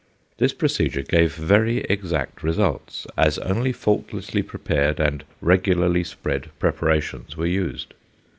This procedure gave very exact results, as only faultlessly prepared, and regularly spread preparations were used.